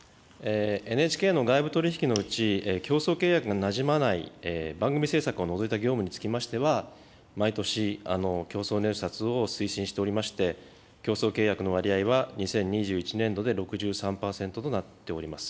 ＮＨＫの外部取り引きのうち、競争契約がなじまない、番組制作を除いた業務につきましては、毎年、競争入札を推進しておりまして、競争契約の割合は、２０２１年度で６３％となっております。